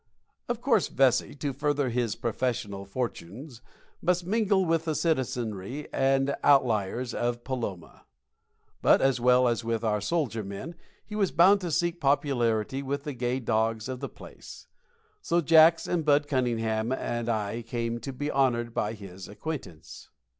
Of course, Vesey, to further his professional fortunes, must mingle with the citizenry and outliers of Paloma. And, as well as with the soldier men, he was bound to seek popularity with the gay dogs of the place. So Jacks and Bud Cunningham and I came to be honored by his acquaintance.